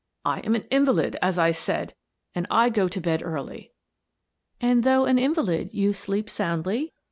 I am an invalid, as I said, and I go to bed early/' " And, though an invalid, you sleep soundly?